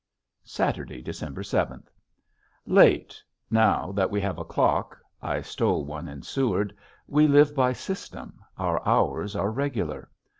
Saturday, December seventh. Late! Now that we have a clock I stole one in Seward we live by system, our hours are regular.